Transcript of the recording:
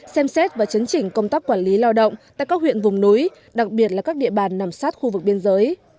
xem xét và chấn chỉnh công tác quản lý lao động tại các huyện vùng núi đặc biệt là các địa bàn nằm sát khu vực biên giới